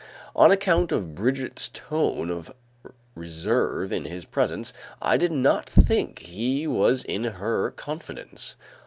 On account of Brigitte's tone of reserve in his presence, I did not think he was in her confidence.